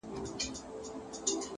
هڅه د وېرې دروازه تړي